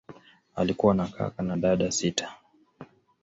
Alikuwa na kaka na dada sita.